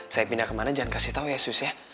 saya pindah kemana jangan kasih tahu ya sus ya